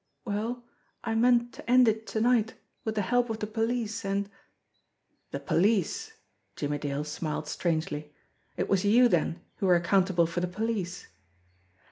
Well, I meant to end it to night with the help of the police, and " "The police!" Jimmie Dale smiled strangely. "It was you, then, who were accountable for the police